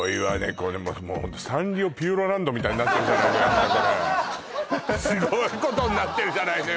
これサンリオピューロランドみたいになってるじゃないのよすごいことになってるじゃないのよ